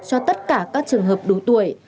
cho tất cả các trường hợp đủ tuổi